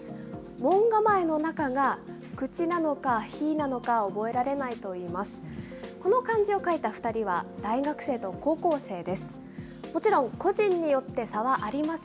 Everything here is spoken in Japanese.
門構えの中が、口なのか、日なのかを覚えられないといいます。